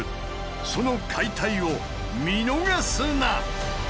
その解体を見逃すな！